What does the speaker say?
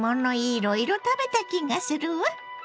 いろいろ食べた気がするわ。